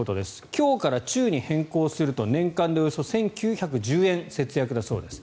「強」から「中」に変更すると年間でおよそ１９１０円節約だそうです。